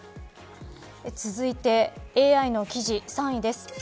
続いてＡＩの記事３位です。